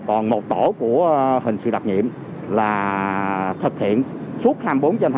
còn một tổ của hình sự đặc nhiệm là thực hiện suốt hai mươi bốn trên bảy